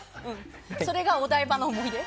それがお台場の思い出？